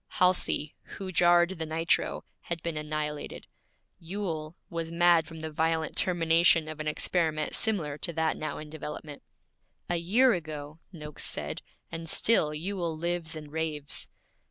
Halsey, who jarred the nitro, had been annihilated. Ewell was mad from the violent termination of an experiment similar to that now in development. 'A year ago!' Noakes said, 'and still Ewell lives and raves!'